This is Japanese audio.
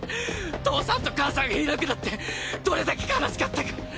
父さんと母さんがいなくなってどれだけ悲しかったか。